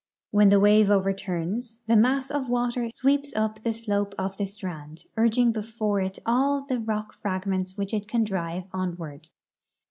When the Avave over turns, the mass of Avater SAveeps u]) the slope of the strand, urging before it all the rock fragments Avhich it can driA ^e onward.